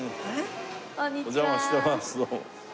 お邪魔してますどうも。